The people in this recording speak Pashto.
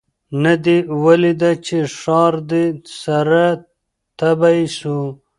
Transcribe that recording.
نه دي ولیده چي ښار دي سره تبۍ سو